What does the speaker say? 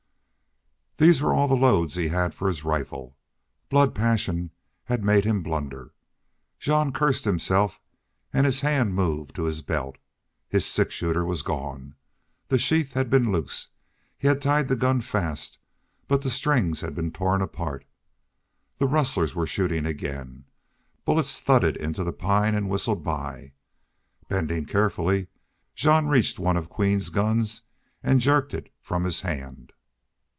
These were all the loads he had for his rifle. Blood passion had made him blunder. Jean cursed himself, and his hand moved to his belt. His six shooter was gone. The sheath had been loose. He had tied the gun fast. But the strings had been torn apart. The rustlers were shooting again. Bullets thudded into the pine and whistled by. Bending carefully, Jean reached one of Queen's guns and jerked it from his hand.